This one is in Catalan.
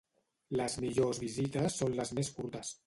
Les millors visites són les més curtes.